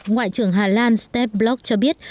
ngoại trưởng hà lan steph block cho biết